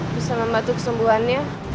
aku sama tante kesembuhan ya